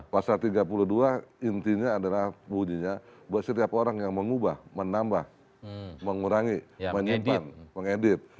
pasal tiga puluh dua intinya adalah bunyinya buat setiap orang yang mengubah menambah mengurangi menyimpan mengedit